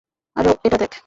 আর এটা দেখ!